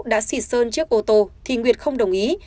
đã xịt sơn trước ô tô thì nguyệt không đồng ý